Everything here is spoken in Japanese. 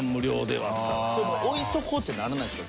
置いとこうってならないんですか？